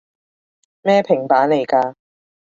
咩平板來㗎？